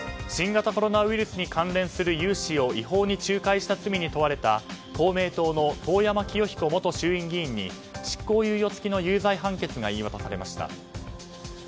新型コロナウイルスに関連する融資を違法に仲介した罪に問われた公明党の遠山清彦元衆院議員に執行猶予付きの有罪判決が言い渡されました。